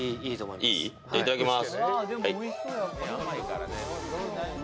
いただきます。